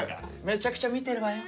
めちゃくちゃ見てるわよ。